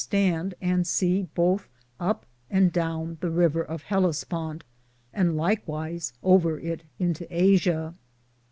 79 stande and se bothe up and doune the rever of Hellisponte, and lik wyse over it into Asia.